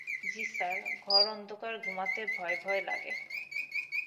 জ্বি স্যার ঘর অন্ধকার-ঘূমাতে ভয়ভয় লাগে।